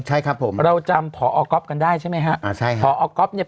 ใช่ครับผมเราจำพอก๊อฟกันได้ใช่ไหมฮะอ่าใช่ครับพอก๊อฟเนี่ย